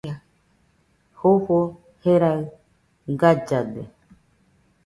Jofo jerai gallade